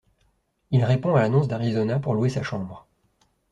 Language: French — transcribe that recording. Il répond à l'annonce d'Arizona pour louer sa chambre.